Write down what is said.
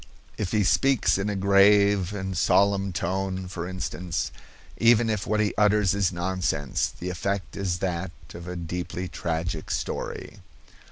If he speaks in a grave and solemn tone, for instance, even if what he utters is nonsense, the effect is that of a deeply tragic story.